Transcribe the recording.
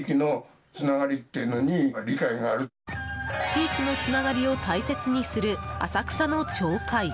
地域のつながりを大切にする浅草の町会。